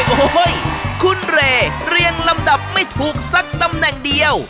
โอ้โหคุณเรเรียงลำดับไม่ถูกสักตำแหน่งเดียว